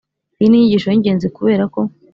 Iyi ni inyigisho y'ingenzi kuberako,